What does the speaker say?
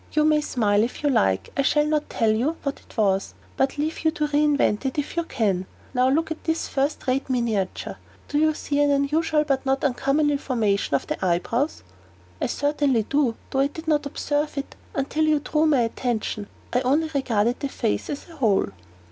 You may smile, if you like; I shall not tell you what it was, but leave you to re invent it, if you can. Now look at this first rate miniature. Do you see an unusual but not uncomely formation of the eyebrows?" "Certainly I do; though I did not observe it until you drew my attention. I had only regarded the face, as a whole."